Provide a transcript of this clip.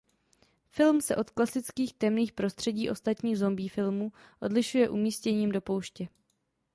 Film se od klasických temných prostředí ostatních "zombie filmů" odlišuje umístěním do pouště.